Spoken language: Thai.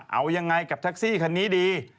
เอายังไงกับแท็กซี่คันนี้ดี